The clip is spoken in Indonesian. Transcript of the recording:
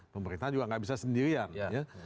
pemerintah juga nggak bisa sendirian ya